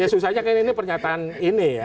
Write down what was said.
ya susahnya ini pernyataan ini